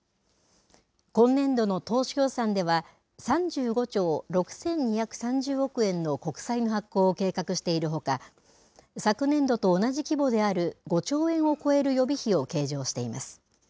今年度の当初予算では、３５兆６２３０億円の国債の発行を計画しているほか、昨年度と同じ規模である５兆円を超える予備費を計上しています。